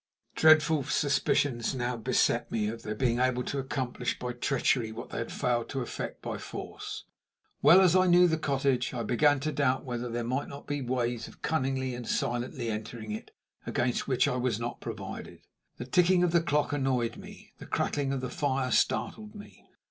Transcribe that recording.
Dreadful suspicions now beset me of their being able to accomplish by treachery what they had failed to effect by force. Well as I knew the cottage, I began to doubt whether there might not be ways of cunningly and silently entering it against which I was not provided. The ticking of the clock annoyed me; the crackling of the fire startled me.